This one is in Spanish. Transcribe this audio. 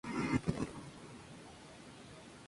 Sus esfuerzos fracasaron.